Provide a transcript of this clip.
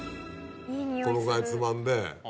このぐらいつまんで。